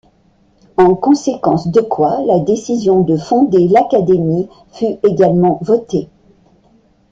En conséquence de quoi, la décision de fonder l'académie fut également votée.